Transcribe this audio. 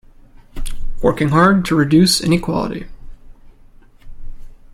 Working hard to reduce inequality.